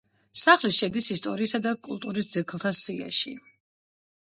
სახლი შედის ისტორიისა და კულტურის ძეგლთა სიაში.